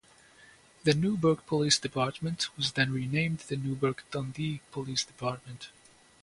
The Newberg Police Department was then renamed the Newberg-Dundee Police Department.